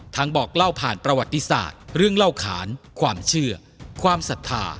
บอกเล่าผ่านประวัติศาสตร์เรื่องเล่าขานความเชื่อความศรัทธา